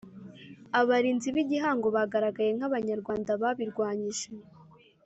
Abarinzi b’Igihango bagaragaye nk’Abanyarwanda babirwanyije